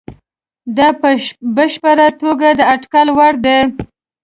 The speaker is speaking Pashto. دا په بشپړه توګه د اټکل وړ دي.